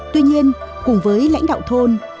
tuy nhiên cùng với lãnh đạo thôn